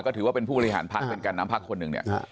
ก็ถือว่าเป็นผู้บริหารภักดิ์เป็นการน้ำภักดิ์คนหนึ่ง